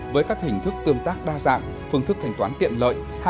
với các hình thức tương tác đa dạng phương thức thanh toán tiện lợi